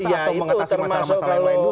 atau mengatasi masalah masalah yang lain dulu